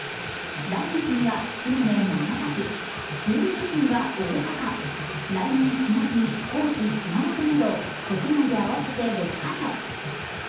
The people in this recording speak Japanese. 来月には島根、長崎、１２月には大阪来年４月に高知、熊本など国内で合わせて６か所。